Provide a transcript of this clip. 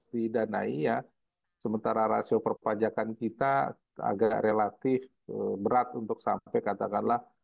didanai ya sementara rasio perpajakan kita agak relatif berat untuk sampai katakanlah